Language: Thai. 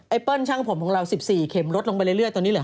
เปิ้ลช่างผมของเรา๑๔เข็มลดลงไปเรื่อยตอนนี้เหลือ